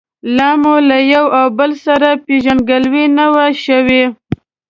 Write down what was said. لا مو له یو او بل سره پېژندګلوي نه وه شوې.